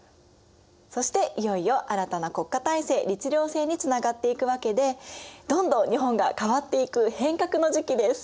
そしていよいよ新たな国家体制律令制につながっていくわけでどんどん日本が変わっていく変革の時期です。